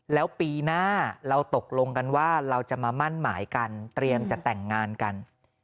แล้วปีหน้าเราตกลงกันว่าเราจะมามั่นหมายกันเตรียมจะแต่งงานกัน